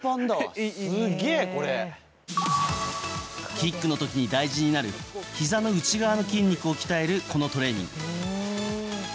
キックの時に大事になるひざの内側の筋肉を鍛える、このトレーニング。